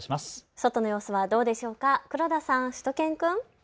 外の様子はどうでしょうか、黒田さん、しゅと犬くん。